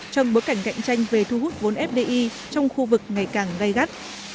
trong bối cảnh cạnh tranh về thu hút vốn fdi trong khu vực ngày càng gây gắt